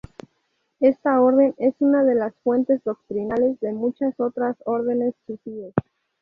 Esta orden es una de las fuentes doctrinales de muchas otras órdenes sufíes.